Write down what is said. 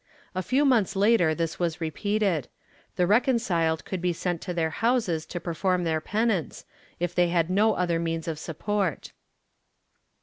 A few months later this was repeated; the recon ciled could be sent to their houses to perform their penance, if they had no other means of support.